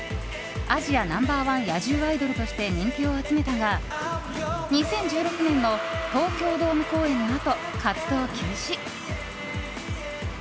アジアナンバー１野獣アイドルとして人気を集めたが２０１６年の東京ドーム公演のあと、活動休止。